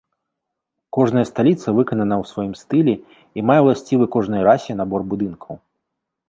Кожная сталіца выканана ў сваім стылі і мае ўласцівы кожнай расе набор будынкаў.